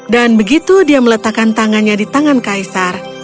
dan begitu dia meletakkan tangannya di tangan kaisar